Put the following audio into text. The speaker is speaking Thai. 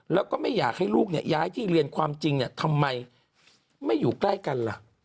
แล้วก็ไม่อยากให้ลูกย้ายที่เรียนความจริงเนี่ยทำไมไม่อยู่ใกล้กันล่ะ